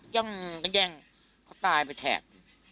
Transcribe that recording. ยั่งแย่งตายไปแทบ